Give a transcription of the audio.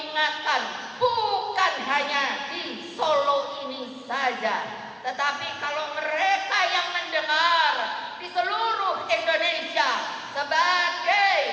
golput itu pangacut